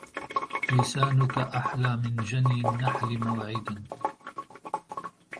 لسانك أحلى من جني النحل موعدا